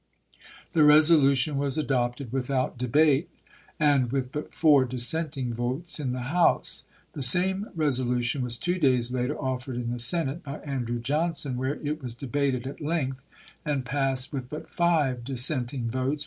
The resolution was adopted without debate and with but four dissenting votes in the House. The same resolution was two days later offered in the Senate by Andrew Johnson, where it was debated at length, and passed with but five dissenting votes, Juiy25,i86i.